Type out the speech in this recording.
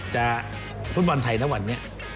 ก็คือคุณอันนบสิงต์โตทองนะครับ